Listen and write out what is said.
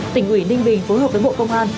tỉnh ủy ninh bình phối hợp với bộ công an